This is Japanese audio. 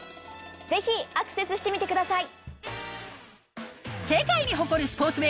ぜひアクセスしてみてください！